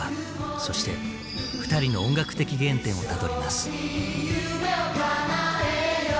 そしてふたりの音楽的原点をたどります。